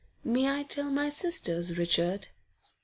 'May I tell my sisters, Richard?